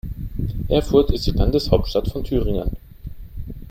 Erfurt ist die Landeshauptstadt von Thüringen.